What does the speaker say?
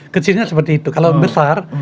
kecilnya seperti itu kalau besar